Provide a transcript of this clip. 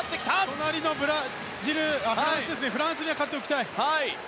隣のフランスには勝っておきたい。